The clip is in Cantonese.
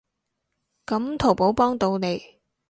噉淘寶幫到你